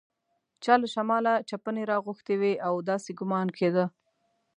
چا له شماله چپنې راغوښتي وې او داسې ګومان کېده.